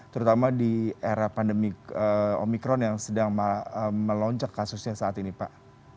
terutama di era pandemi omikron yang sedang melonjak kasusnya saat ini pak